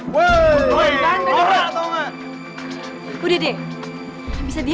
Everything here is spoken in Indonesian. gue cantik hari ini